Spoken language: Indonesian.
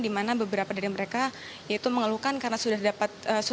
di mana beberapa dari mereka yaitu mengeluhkan karena sudah dapat surat phk dari kantor